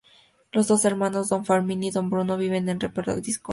Los dos hermanos, don Fermín y don Bruno, viven en perpetua discordia.